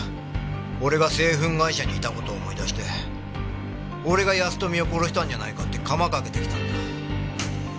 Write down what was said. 俺が製粉会社にいた事思い出して俺が保富を殺したんじゃないかってカマかけてきたんだ。